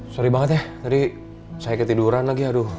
sorry banget ya tadi saya ketiduran lagi aduh